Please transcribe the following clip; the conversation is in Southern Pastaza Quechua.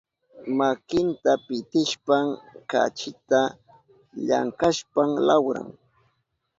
Makinta pitishpan kachita llankashpan lawran.